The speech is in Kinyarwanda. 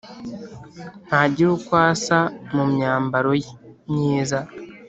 ntagira uko asa mu myambaro ye myiza,